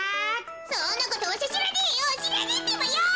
そんなことわしゃしらねえよしらねえってばよ！